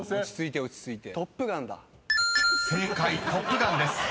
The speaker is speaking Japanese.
「トップガン」です］